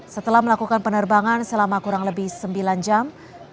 setelah melakukan penerbangan selama kurang lebih sembilan jam